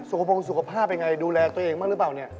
โกบงสุขภาพเป็นไงดูแลตัวเองบ้างหรือเปล่าเนี่ย